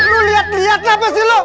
lu liat liat kenapa sih lu